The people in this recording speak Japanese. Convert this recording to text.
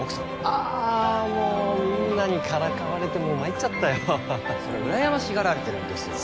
あもうみんなにからかわれてもうまいっちゃったよそれうらやましがられてるんですよ